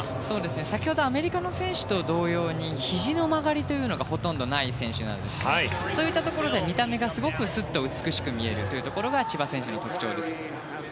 先ほどのアメリカの選手と同様にひじの曲がりというのがほとんどない選手なんですがそういったところで見た目がすごく美しく見えるというところが千葉選手の特徴です。